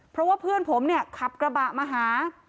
เพราะว่าเพื่อนผมเนี่ยขับกระบะมาหา